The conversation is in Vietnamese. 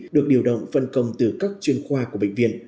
được điều động phân công từ các chuyên khoa của bệnh viện